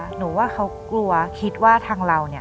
หนูว่าเขากลัวคิดว่าทางเราเนี่ย